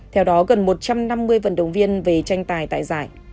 theo đó gần một trăm năm mươi vận động viên về tranh tài tại giải